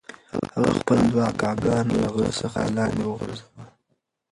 هغه خپل دوه اکاګان له غره څخه لاندې وغورځول.